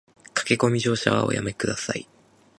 駆け込み乗車はおやめ下さい